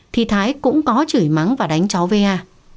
thì thái cũng có chửi mắng và đánh cháu va